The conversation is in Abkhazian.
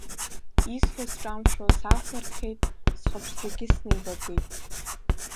Исҳәо сҿамшәо саақәлырхеит, сҟаԥшьӡагьы снеибакит.